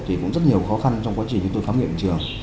thì cũng rất nhiều khó khăn trong quá trình khám nghiệm trường